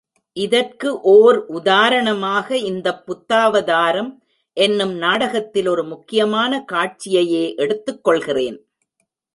இதற்கு ஓர் உதாரணமாக இந்தப் புத்தாவதாரம் என்னும் நாடகத்தில் ஒரு முக்கியமான காட்சியையே எடுத்துக்கொள்கிறேன்.